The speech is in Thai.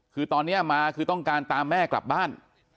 คือตอนนี้มาคือต้องการตามแม่กลับบ้าน